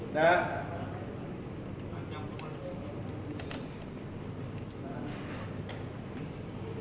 โดยกับโทษที่พุทธ